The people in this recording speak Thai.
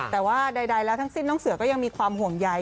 แต่ว่าใดแล้วทั้งสิ้นน้องเสือก็ยังมีความห่วงใย